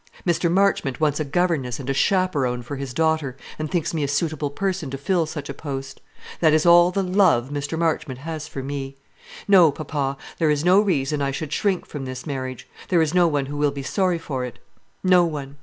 "Mr. Marchmont wants a governess and chaperone for his daughter, and thinks me a suitable person to fill such a post; that is all the love Mr. Marchmont has for me. No, papa; there is no reason I should shrink from this marriage. There is no one who will be sorry for it; no one!